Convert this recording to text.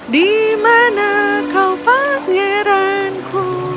di mana kau pangeranku